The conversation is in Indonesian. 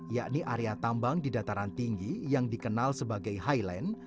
yakni area tambang di dataran tinggi yang dikenal sebagai highland